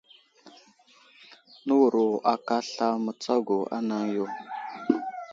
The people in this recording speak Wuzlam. Nəwuro aka aslam mətsago anaŋ yo.